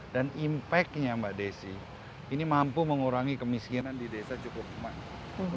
dan impactnya mbak desi ini mampu mengurangi kemiskinan di desa cukup besar